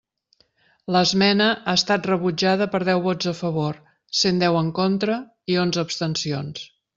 L'esmena ha estat rebutjada per deu vots a favor, cent deu en contra i onze abstencions.